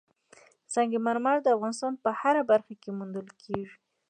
سنگ مرمر د افغانستان په هره برخه کې موندل کېږي.